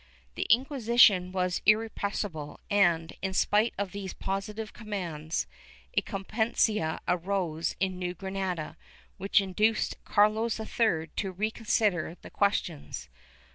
^ The Inquisition was irrepressible and, in spite of these positive commands, a competencia arose in New Granada, which induced Carlos III to reconsider the questions.